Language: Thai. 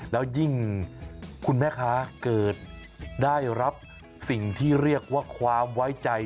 แล้วยิ่งคุณแม่ค้าเกิดได้รับสิ่งที่เรียกว่าความไว้ใจ